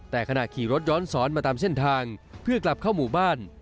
แต่ขณะขี่รถย้อนสอนมาตามเส้นทางเพื่อกลับเข้าหมู่บ้าน